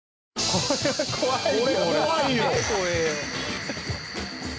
これ怖いよ